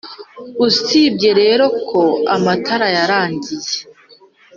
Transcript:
Usibye rero ko amatora yarangiye